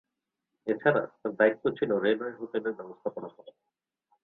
এছাড়া, তার দায়িত্ব ছিল রেলওয়ে হোটেলের ব্যবস্থাপনা করা।